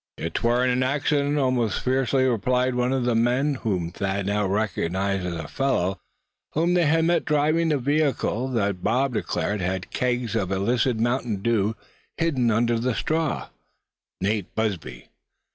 "Yep, 'twar an accident," almost fiercely replied one of the men, whom Thad now recognized as the fellow whom they had met driving the vehicle that Bob declared had kegs of the illicit mountain dew hidden under the straw Nate Busby.